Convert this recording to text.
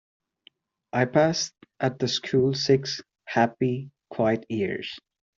I passed at the school six happy, quiet years.